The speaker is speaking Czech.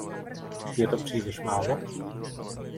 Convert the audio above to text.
Je to příliš málo?